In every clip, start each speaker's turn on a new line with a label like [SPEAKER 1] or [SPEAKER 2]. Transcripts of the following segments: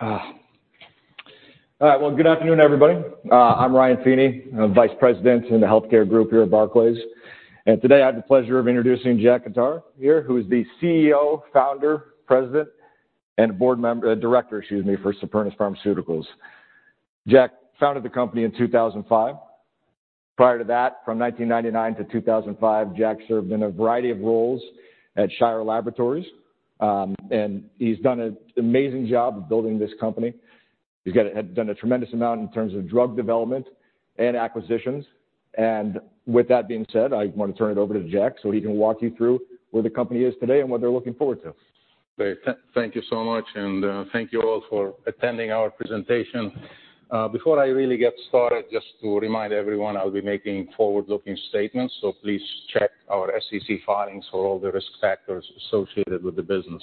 [SPEAKER 1] All right. Well, good afternoon, everybody. I'm Ryan Feeney. I'm Vice President in the healthcare group here at Barclays. And today I have the pleasure of introducing Jack Khattar here, who is the CEO, Founder, President, and Director, excuse me, for Supernus Pharmaceuticals. Jack founded the company in 2005. Prior to that, from 1999 to 2005, Jack served in a variety of roles at Shire Laboratories, and he's done an amazing job of building this company. He had done a tremendous amount in terms of drug development and acquisitions. And with that being said, I wanna turn it over to Jack so he can walk you through where the company is today and what they're looking forward to.
[SPEAKER 2] Great. Thank you so much. And, thank you all for attending our presentation. Before I really get started, just to remind everyone, I'll be making forward-looking statements, so please check our SEC filings for all the risk factors associated with the business.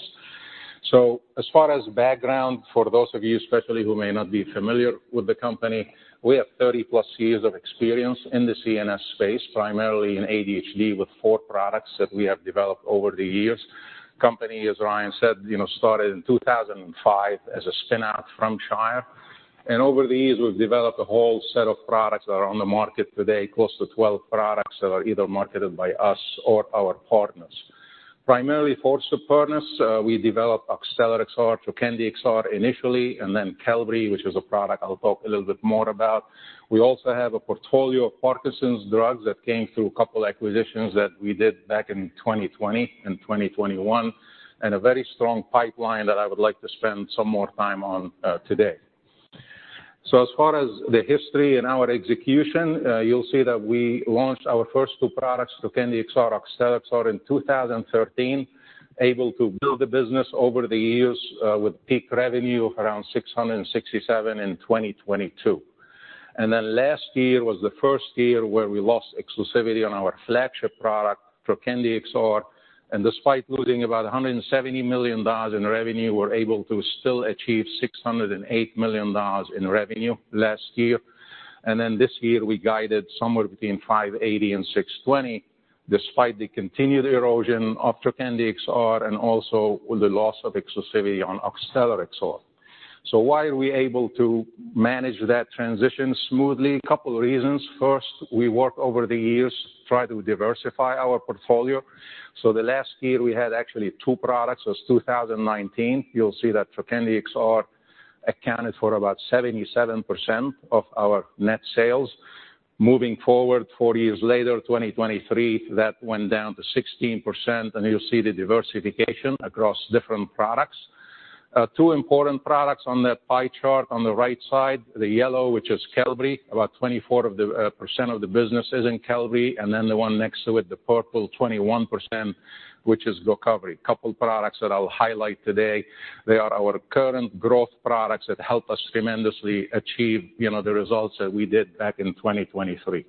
[SPEAKER 2] So as far as background, for those of you, especially, who may not be familiar with the company, we have 30-plus years of experience in the CNS space, primarily in ADHD, with four products that we have developed over the years. The company, as Ryan said, you know, started in 2005 as a spin-out from Shire. And over the years, we've developed a whole set of products that are on the market today, close to 12 products that are either marketed by us or our partners. Primarily for Supernus, we developed Oxtellar XR and Trokendi XR initially, and then Qelbree, which is a product I'll talk a little bit more about. We also have a portfolio of Parkinson's drugs that came through a couple of acquisitions that we did back in 2020 and 2021, and a very strong pipeline that I would like to spend some more time on, today. So as far as the history and our execution, you'll see that we launched our first two products, Trokendi XR and Oxtellar XR, in 2013, able to build the business over the years, with peak revenue of around $667 million in 2022. And then last year was the first year where we lost exclusivity on our flagship product, Trokendi XR. And despite losing about $170 million in revenue, we were able to still achieve $608 million in revenue last year. And then this year, we guided somewhere between $580-$620, despite the continued erosion of Trokendi XR and also the loss of exclusivity on Oxtellar XR. So why are we able to manage that transition smoothly? A couple of reasons. First, we work over the years, try to diversify our portfolio. So the last year, we had actually two products. It was 2019. You'll see that Trokendi XR accounted for about 77% of our net sales. Moving forward, four years later, 2023, that went down to 16%, and you'll see the diversification across different products. Two important products on that pie chart on the right side, the yellow, which is Qelbree, about 24% of the business is in Qelbree, and then the one next to it, the purple, 21%, which is GOCOVRI. A couple of products that I'll highlight today. They are our current growth products that helped us tremendously achieve, you know, the results that we did back in 2023.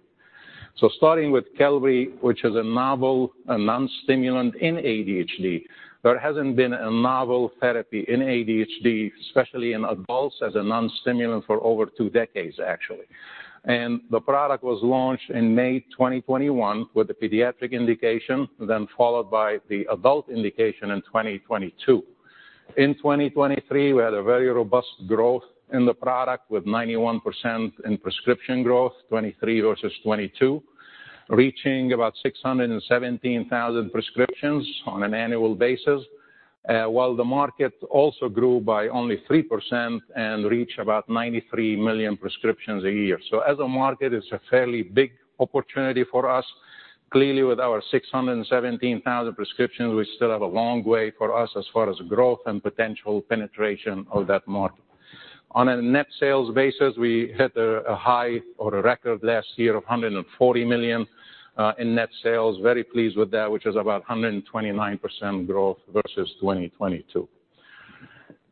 [SPEAKER 2] So starting with Qelbree, which is a novel non-stimulant in ADHD. There hasn't been a novel therapy in ADHD, especially in adults, as a non-stimulant for over two decades, actually. And the product was launched in May 2021 with a pediatric indication, then followed by the adult indication in 2022. In 2023, we had a very robust growth in the product with 91% in prescription growth, 2023 versus 2022, reaching about 617,000 prescriptions on an annual basis, while the market also grew by only 3% and reached about 93 million prescriptions a year. So as a market, it's a fairly big opportunity for us. Clearly, with our 617,000 prescriptions, we still have a long way for us as far as growth and potential penetration of that market. On a net sales basis, we hit a high or a record last year of $140 million in net sales. Very pleased with that, which is about 129% growth versus 2022.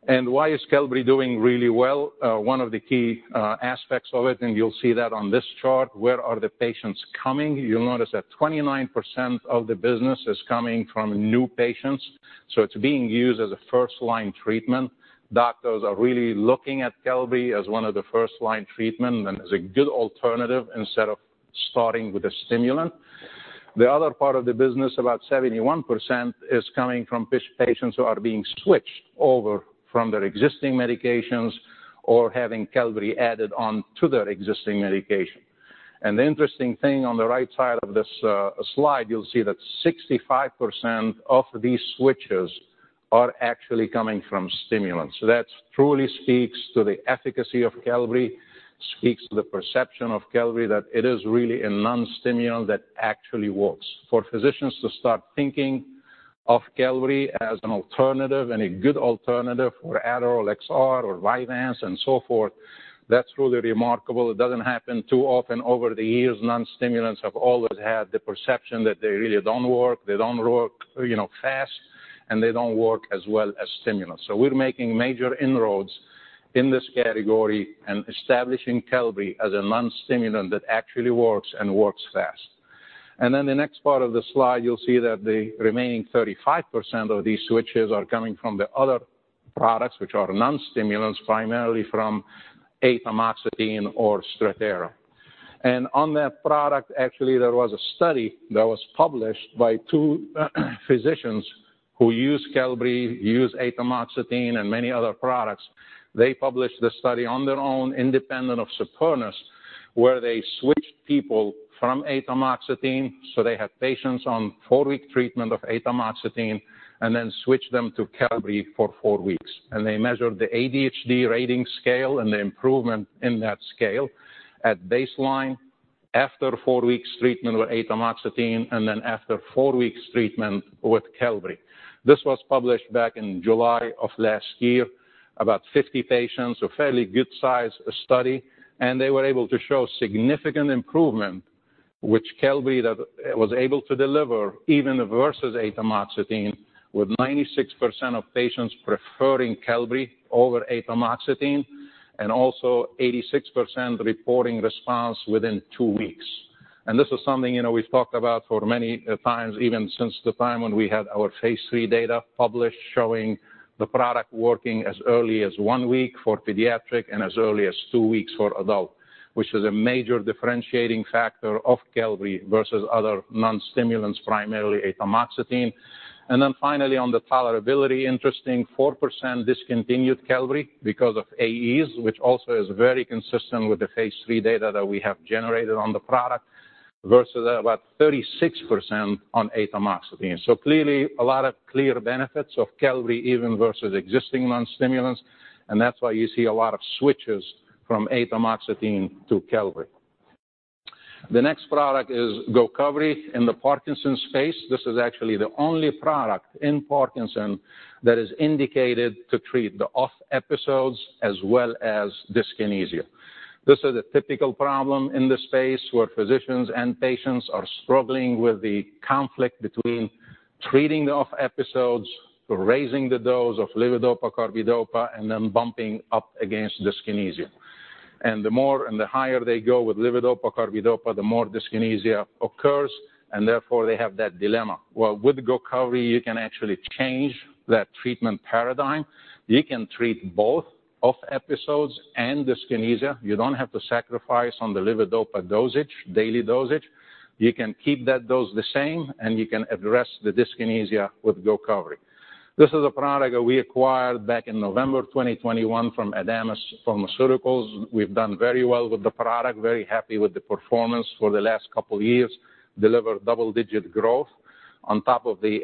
[SPEAKER 2] And why is Qelbree doing really well? One of the key aspects of it, and you'll see that on this chart, where are the patients coming? You'll notice that 29% of the business is coming from new patients. So it's being used as a first-line treatment. Doctors are really looking at Qelbree as one of the first-line treatments and as a good alternative instead of starting with a stimulant. The other part of the business, about 71%, is coming from switch patients who are being switched over from their existing medications or having Qelbree added onto their existing medication. The interesting thing on the right side of this slide, you'll see that 65% of these switches are actually coming from stimulants. So that truly speaks to the efficacy of Qelbree, speaks to the perception of Qelbree that it is really a non-stimulant that actually works. For physicians to start thinking of Qelbree as an alternative and a good alternative for Adderall XR or Vyvanse and so forth, that's really remarkable. It doesn't happen too often. Over the years, non-stimulants have always had the perception that they really don't work. They don't work, you know, fast, and they don't work as well as stimulants. So we're making major inroads in this category and establishing Qelbree as a non-stimulant that actually works and works fast. Then the next part of the slide, you'll see that the remaining 35% of these switches are coming from the other products, which are non-stimulants, primarily from atomoxetine or Strattera. On that product, actually, there was a study that was published by two physicians who use Qelbree, use atomoxetine, and many other products. They published the study on their own, independent of Supernus, where they switched people from atomoxetine. They had patients on four-week treatment of atomoxetine and then switched them to Qelbree for four weeks. They measured the ADHD rating scale and the improvement in that scale at baseline after four weeks' treatment with atomoxetine and then after four weeks' treatment with Qelbree. This was published back in July of last year, about 50 patients, a fairly good-sized study. They were able to show significant improvement, which Qelbree that was able to deliver even versus atomoxetine, with 96% of patients preferring Qelbree over atomoxetine and also 86% reporting response within two weeks. And this is something, you know, we've talked about for many times, even since the time when we had our phase III data published showing the product working as early as one week for pediatric and as early as two weeks for adult, which is a major differentiating factor of Qelbree versus other non-stimulants, primarily atomoxetine. And then finally, on the tolerability, interesting, 4% discontinued Qelbree because of AEs, which also is very consistent with the phase III data that we have generated on the product, versus about 36% on atomoxetine. So clearly, a lot of clear benefits of Qelbree even versus existing non-stimulants. And that's why you see a lot of switches from atomoxetine to Qelbree. The next product is GOCOVRI in the Parkinson's space. This is actually the only product in Parkinson's that is indicated to treat the off episodes as well as dyskinesia. This is a typical problem in this space where physicians and patients are struggling with the conflict between treating the off episodes, raising the dose of levodopa/carbidopa, and then bumping up against dyskinesia. And the more and the higher they go with levodopa/carbidopa, the more dyskinesia occurs, and therefore, they have that dilemma. Well, with GOCOVRI, you can actually change that treatment paradigm. You can treat both off episodes and dyskinesia. You don't have to sacrifice on the levodopa dosage, daily dosage. You can keep that dose the same, and you can address the dyskinesia with GOCOVRI. This is a product that we acquired back in November 2021 from Adamas Pharmaceuticals. We've done very well with the product, very happy with the performance for the last couple of years, delivered double-digit growth. On top of the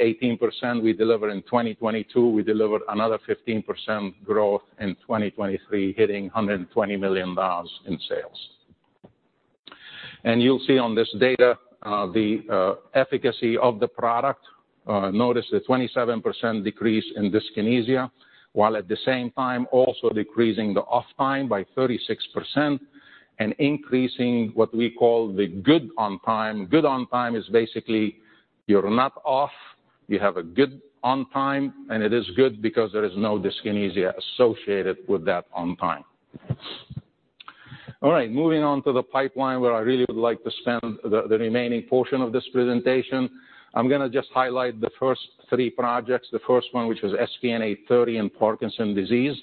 [SPEAKER 2] 18% we delivered in 2022, we delivered another 15% growth in 2023, hitting $120 million in sales. You'll see on this data, the efficacy of the product. Notice the 27% decrease in dyskinesia while at the same time also decreasing the off time by 36% and increasing what we call the good on time. Good on time is basically you're not off. You have a good on time, and it is good because there is no dyskinesia associated with that on time. All right. Moving on to the pipeline where I really would like to spend the remaining portion of this presentation, I'm gonna just highlight the first three projects. The first one, which is SPN-830 in Parkinson's disease,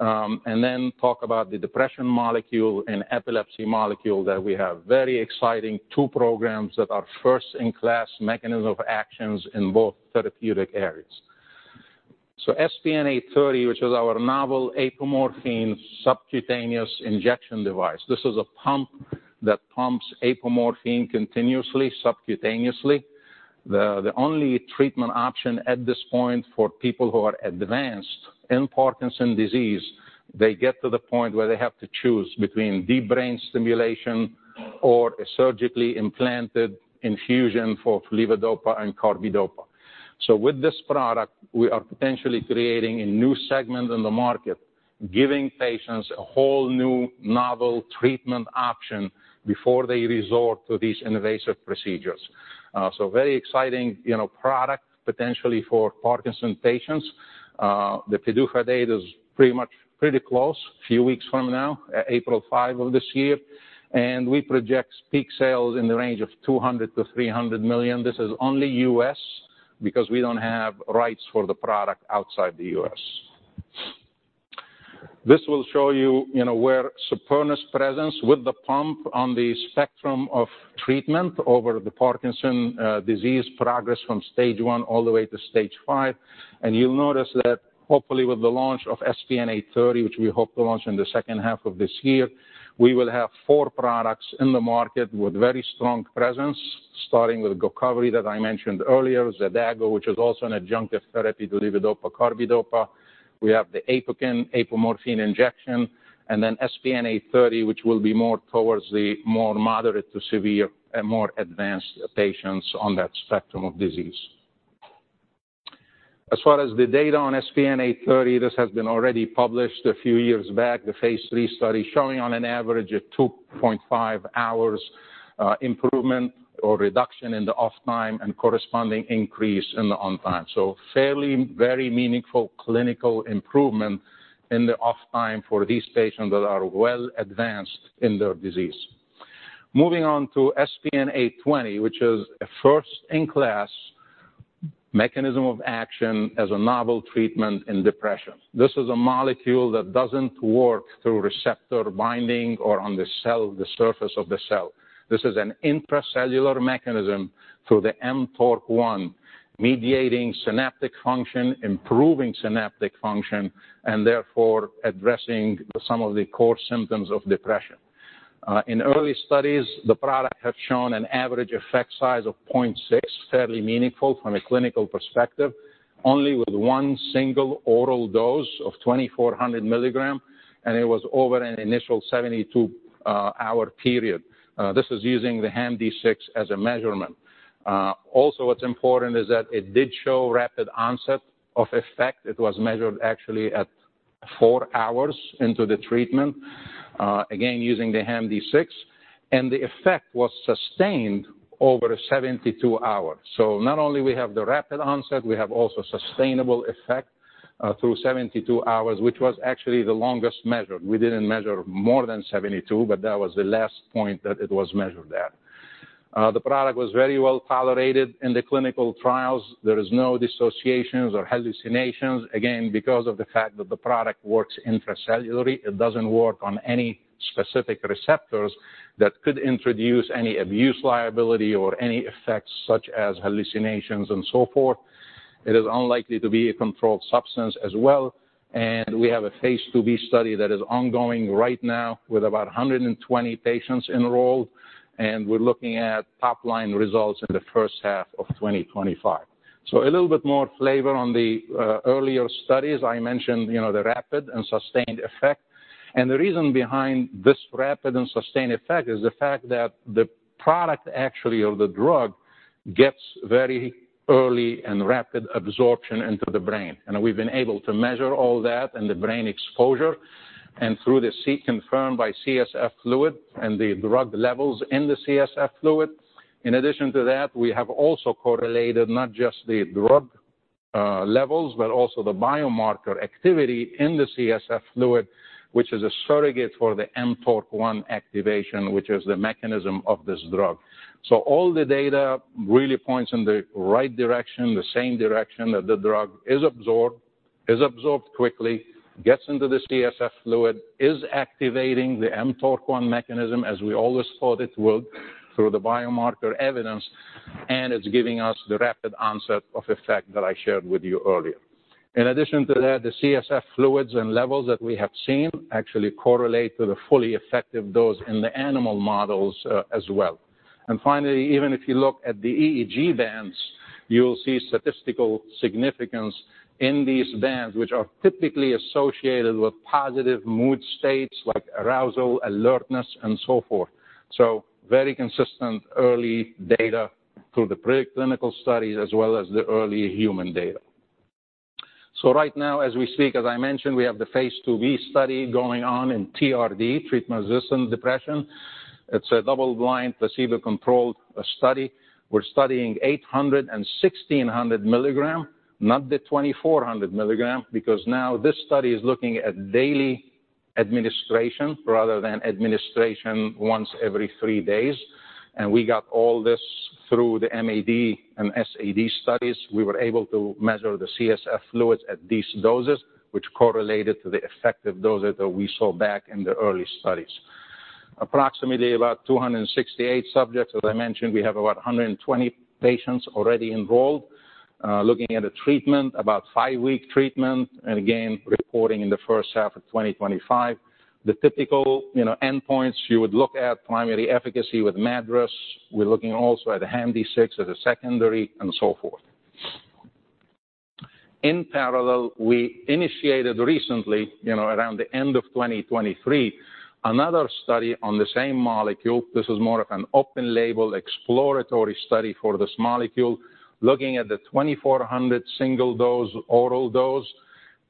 [SPEAKER 2] and then talk about the depression molecule and epilepsy molecule that we have. Very exciting two programs that are first-in-class mechanisms of actions in both therapeutic areas. So SPN-830, which is our novel apomorphine subcutaneous injection device. This is a pump that pumps apomorphine continuously, subcutaneously. The only treatment option at this point for people who are advanced in Parkinson's disease, they get to the point where they have to choose between deep brain stimulation or a surgically implanted infusion for levodopa and carbidopa. So with this product, we are potentially creating a new segment in the market, giving patients a whole new novel treatment option before they resort to these invasive procedures. So very exciting, you know, product potentially for Parkinson's patients. The PDUFA date is pretty much pretty close, a few weeks from now, April 5th of this year. We project peak sales in the range of $200 million-$300 million. This is only U.S. because we don't have rights for the product outside the U.S.. This will show you, you know, where Supernus' presence with the pump on the spectrum of treatment over the Parkinson's disease progress from stage one all the way to stage five. You'll notice that, hopefully, with the launch of SPN-830, which we hope to launch in the second half of this year, we will have four products in the market with very strong presence, starting with GOCOVRI that I mentioned earlier, XADAGO, which is also an adjunctive therapy to levodopa/carbidopa. We have the APOKYN apomorphine injection, and then SPN-830, which will be more towards the more moderate to severe and more advanced patients on that spectrum of disease. As far as the data on SPN-830, this has been already published a few years back, the phase III study showing on an average a 2.5 hours' improvement or reduction in the off time and corresponding increase in the on time. Fairly, very meaningful clinical improvement in the off time for these patients that are well advanced in their disease. Moving on to SPN-820, which is a first-in-class mechanism of action as a novel treatment in depression. This is a molecule that doesn't work through receptor binding or on the cell, the surface of the cell. This is an intracellular mechanism through the mTORC1, mediating synaptic function, improving synaptic function, and therefore addressing some of the core symptoms of depression. In early studies, the product had shown an average effect size of 0.6, fairly meaningful from a clinical perspective, only with one single oral dose of 2,400 milligrams, and it was over an initial 72-hour period. This is using the HAM-D6 as a measurement. Also, what's important is that it did show rapid onset of effect. It was measured actually at four hours into the treatment, again, using the HAM-D6. And the effect was sustained over a 72-hour. So not only do we have the rapid onset, we have also sustainable effect, through 72 hours, which was actually the longest measured. We didn't measure more than 72, but that was the last point that it was measured at. The product was very well tolerated in the clinical trials. There is no dissociations or hallucinations. Again, because of the fact that the product works intracellularly, it doesn't work on any specific receptors that could introduce any abuse liability or any effects such as hallucinations and so forth. It is unlikely to be a controlled substance as well. And we have a phase II-B study that is ongoing right now with about 120 patients enrolled. And we're looking at top-line results in the first half of 2025. So a little bit more flavor on the earlier studies. I mentioned, you know, the rapid and sustained effect. And the reason behind this rapid and sustained effect is the fact that the product actually, or the drug, gets very early and rapid absorption into the brain. And we've been able to measure all that and the brain exposure and through the CSF confirmed by CSF fluid and the drug levels in the CSF fluid. In addition to that, we have also correlated not just the drug levels but also the biomarker activity in the CSF fluid, which is a surrogate for the mTORC1 activation, which is the mechanism of this drug. So all the data really points in the right direction, the same direction that the drug is absorbed, is absorbed quickly, gets into the CSF fluid, is activating the mTORC1 mechanism as we always thought it would through the biomarker evidence, and it's giving us the rapid onset of effect that I shared with you earlier. In addition to that, the CSF fluids and levels that we have seen actually correlate to the fully effective dose in the animal models, as well. Finally, even if you look at the EEG bands, you'll see statistical significance in these bands, which are typically associated with positive mood states like arousal, alertness, and so forth. So very consistent early data through the preclinical studies as well as the early human data. So right now, as we speak, as I mentioned, we have the phase II-B study going on in TRD, treatment-resistant depression. It's a double-blind, placebo-controlled study. We're studying 800 and 1,600 milligram, not the 2,400 milligram, because now this study is looking at daily administration rather than administration once every three days. And we got all this through the MAD and SAD studies. We were able to measure the CSF fluids at these doses, which correlated to the effective dose that we saw back in the early studies. Approximately about 268 subjects. As I mentioned, we have about 120 patients already enrolled, looking at a treatment, about five-week treatment, and again, reporting in the first half of 2025. The typical, you know, endpoints you would look at, primary efficacy with MADRS. We're looking also at the HAM-D6 as a secondary and so forth. In parallel, we initiated recently, you know, around the end of 2023, another study on the same molecule. This is more of an open-label exploratory study for this molecule, looking at the 2,400 single-dose oral dose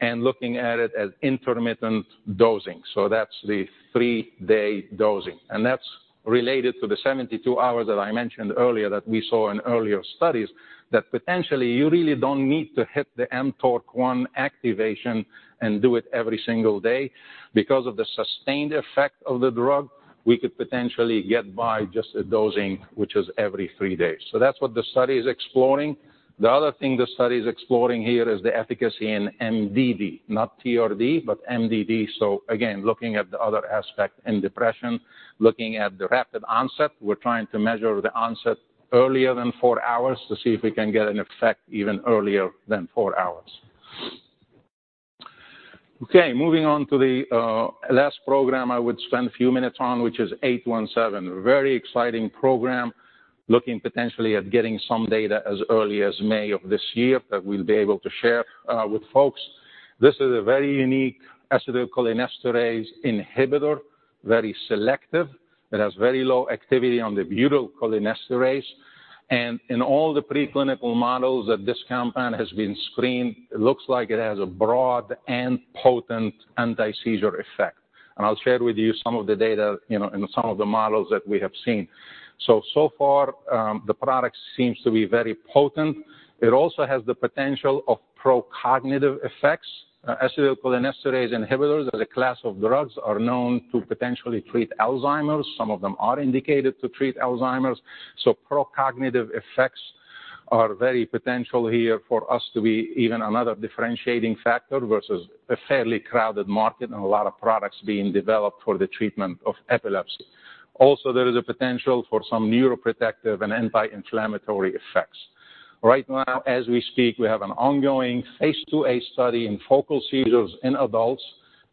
[SPEAKER 2] and looking at it as intermittent dosing. So that's the three-day dosing. And that's related to the 72 hours that I mentioned earlier that potentially you really don't need to hit the mTORC1 activation and do it every single day because of the sustained effect of the drug. We could potentially get by just a dosing, which is every three days. So that's what the study is exploring. The other thing the study is exploring here is the efficacy in MDD, not TRD but MDD. So again, looking at the other aspect in depression, looking at the rapid onset. We're trying to measure the onset earlier than four hours to see if we can get an effect even earlier than four hours. Okay. Moving on to the last program I would spend a few minutes on, which is 817. Very exciting program looking potentially at getting some data as early as May of this year that we'll be able to share with folks. This is a very unique acetylcholinesterase inhibitor, very selective. It has very low activity on the butyrylcholinesterase. And in all the preclinical models that this campaign has been screened, it looks like it has a broad and potent antiseizure effect. And I'll share with you some of the data, you know, in some of the models that we have seen. So, so far, the product seems to be very potent. It also has the potential of procognitive effects. Acetylcholinesterase inhibitors as a class of drugs are known to potentially treat Alzheimer's. Some of them are indicated to treat Alzheimer's. So procognitive effects are very potential here for us to be even another differentiating factor versus a fairly crowded market and a lot of products being developed for the treatment of epilepsy. Also, there is a potential for some neuroprotective and anti-inflammatory effects. Right now, as we speak, we have an ongoing phase II-A study in focal seizures in adults.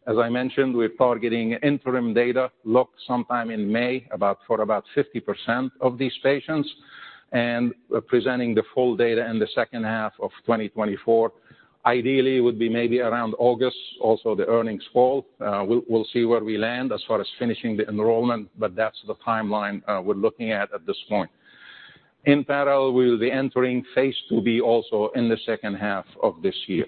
[SPEAKER 2] As I mentioned, we're targeting interim data, look, sometime in May about 50% of these patients and presenting the full data in the second half of 2024. Ideally, it would be maybe around August, also the earnings call. We'll, we'll see where we land as far as finishing the enrollment, but that's the timeline we're looking at at this point. In parallel, we'll be entering phase II-B also in the second half of this year.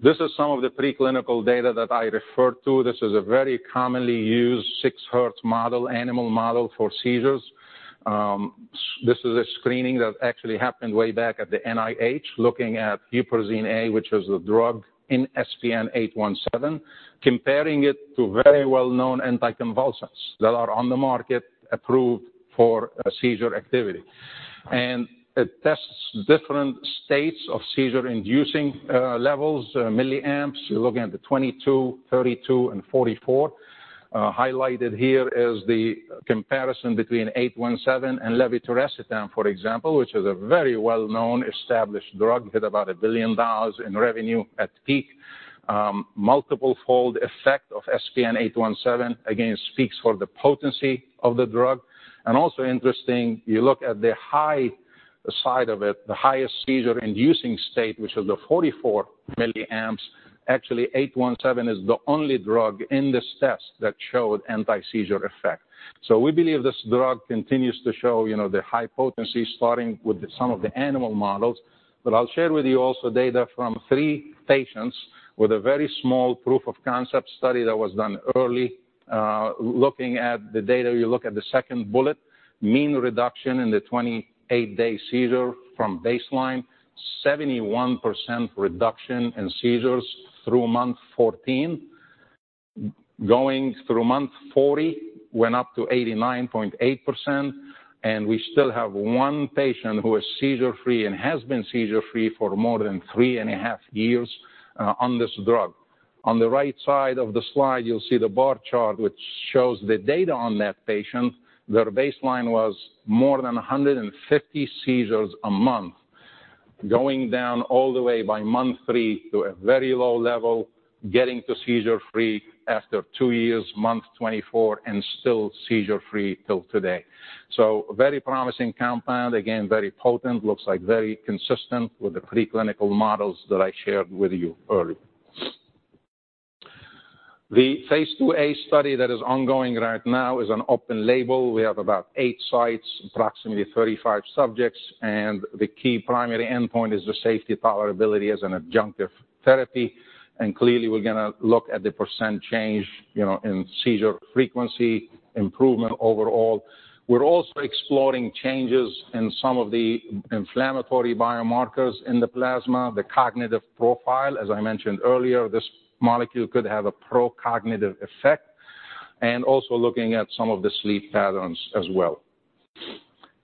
[SPEAKER 2] This is some of the preclinical data that I referred to. This is a very commonly used 6-hertz model, animal model for seizures. This is a screening that actually happened way back at the NIH looking at huperzine A, which is the drug in SPN-817, comparing it to very well-known anticonvulsants that are on the market approved for seizure activity. It tests different states of seizure-inducing levels, milliamps. You're looking at the 22, 32, and 44. Highlighted here is the comparison between SPN-817 and levetiracetam, for example, which is a very well-known established drug, hit about $1 billion in revenue at peak. Multiple-fold effect of SPN-817 again speaks for the potency of the drug. Also interesting, you look at the high side of it, the highest seizure-inducing state, which is the 44 milliamps. Actually, SPN-817 is the only drug in this test that showed antiseizure effect. So we believe this drug continues to show, you know, the high potency starting with some of the animal models. But I'll share with you also data from three patients with a very small proof of concept study that was done early, looking at the data. You look at the second bullet, mean reduction in the 28-day seizure from baseline, 71% reduction in seizures through month 14. Going through month 40, went up to 89.8%. And we still have one patient who is seizure-free and has been seizure-free for more than three and a half years, on this drug. On the right side of the slide, you'll see the bar chart, which shows the data on that patient. Their baseline was more than 150 seizures a month, going down all the way by month three to a very low level, getting to seizure-free after two years, month 24, and still seizure-free till today. So very promising compound, again, very potent, looks like very consistent with the preclinical models that I shared with you earlier. The phase II-A study that is ongoing right now is an open-label. We have about eight sites, approximately 35 subjects. And the key primary endpoint is the safety tolerability as an adjunctive therapy. And clearly, we're going to look at the % change, you know, in seizure frequency, improvement overall. We're also exploring changes in some of the inflammatory biomarkers in the plasma, the cognitive profile. As I mentioned earlier, this molecule could have a procognitive effect and also looking at some of the sleep patterns as well.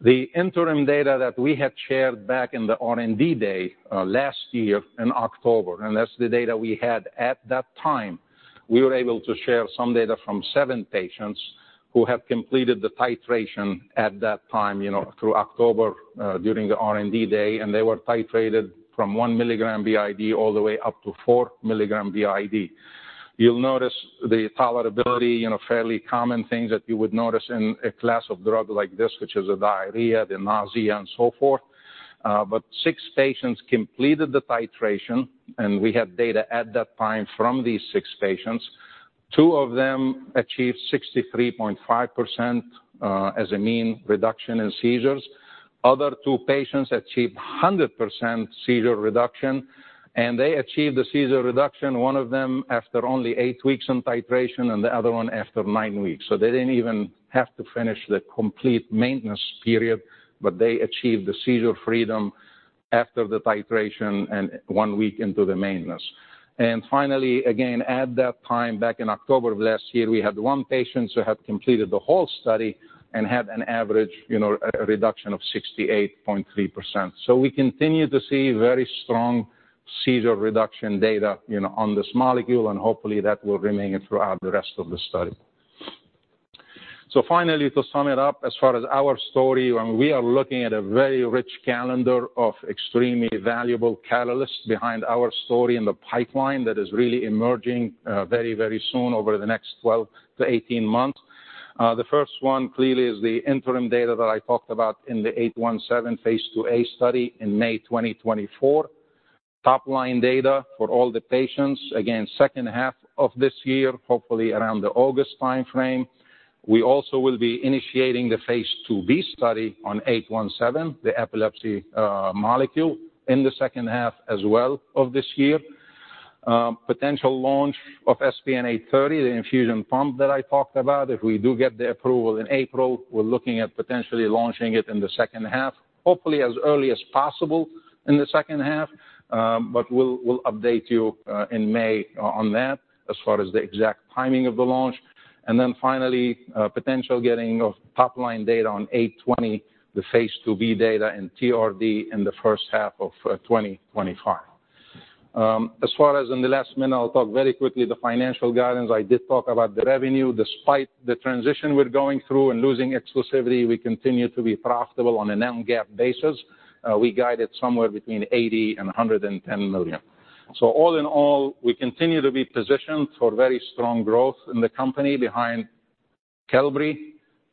[SPEAKER 2] The interim data that we had shared back in the R&D Day, last year in October, and that's the data we had at that time, we were able to share some data from seven patients who had completed the titration at that time, you know, through October, during the R&D Day. And they were titrated from 1 milligram b.i.d. all the way up to 4 milligram b.i.d. You'll notice the tolerability, you know, fairly common things that you would notice in a class of drug like this, which is the diarrhea, the nausea, and so forth. But six patients completed the titration, and we had data at that time from these 6 patients. Two of them achieved 63.5%, as a mean reduction in seizures. Other two patients achieved 100% seizure reduction, and they achieved the seizure reduction, one of them after only eight weeks in titration and the other one after nine weeks. So they didn't even have to finish the complete maintenance period, but they achieved the seizure freedom after the titration and 1 week into the maintenance. And finally, again, at that time, back in October of last year, we had one patient who had completed the whole study and had an average, you know, reduction of 68.3%. So we continue to see very strong seizure reduction data, you know, on this molecule. And hopefully, that will remain throughout the rest of the study. So finally, to sum it up, as far as our story, I mean, we are looking at a very rich calendar of extremely valuable catalysts behind our story in the pipeline that is really emerging, very, very soon over the next 12-18 months. The first one clearly is the interim data that I talked about in the SPN-817 phase II-A study in May 2024, top-line data for all the patients, again, second half of this year, hopefully around the August timeframe. We also will be initiating the phase II-B study on SPN-817, the epilepsy molecule in the second half as well of this year. Potential launch of SPN-830, the infusion pump that I talked about. If we do get the approval in April, we're looking at potentially launching it in the second half, hopefully as early as possible in the second half. but we'll, we'll update you in May on that as far as the exact timing of the launch. And then finally, potential getting of top-line data on SPN-820, the phase II-B data and TRD in the first half of 2025. As far as in the last minute, I'll talk very quickly the financial guidance. I did talk about the revenue. Despite the transition we're going through and losing exclusivity, we continue to be profitable on a non-GAAP basis. We guided somewhere between $80 million and $110 million. So all in all, we continue to be positioned for very strong growth in the company behind Qelbree,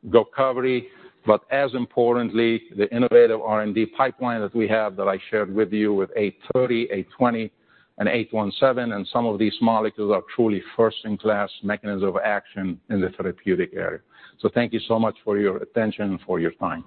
[SPEAKER 2] GOCOVRI, but as importantly, the innovative R&D pipeline that we have that I shared with you with SPN-830, SPN-820, and SPN-817. And some of these molecules are truly first-in-class mechanisms of action in the therapeutic area. Thank you so much for your attention and for your time.